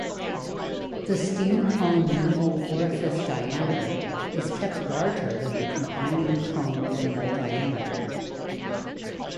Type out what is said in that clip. The steam-cone minimal orifice diameter is kept larger than the combining cone minimal diameter.